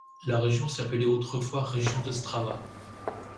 La région s'appelait autrefois région d'Ostrava.